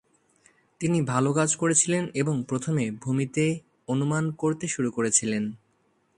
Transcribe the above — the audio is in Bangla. তিনি ভাল কাজ করেছিলেন এবং প্রথমে ভূমিতে অনুমান করতে শুরু করেছিলেন।